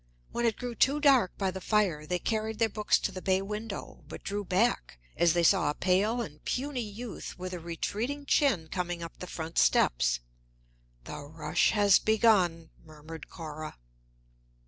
When it grew too dark by the fire, they carried their books to the bay window, but drew back as they saw a pale and puny youth with a retreating chin coming up the front steps. "The rush has begun," murmured Cora.